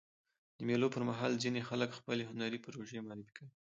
د مېلو پر مهال ځيني خلک خپلي هنري پروژې معرفي کوي.